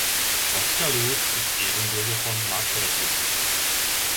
Oskar Loew ist Ehrenbürger von Marktredwitz.